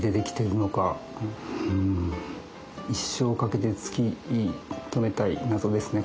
一生をかけて突き止めたい謎ですね